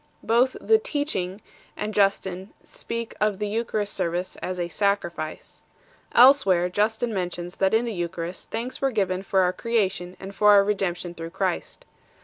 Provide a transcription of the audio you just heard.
Both the " Teaching " and Justin speak of the eucharistic service as a "sacrifice 2 ." Elsewhere Justin mentions 3 that in the Eucharist thanks were given for our creation and for our redemption through Christ.